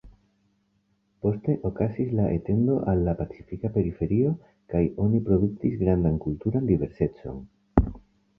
Poste okazis la etendo al la pacifika periferio kaj oni produktis grandan kulturan diversecon.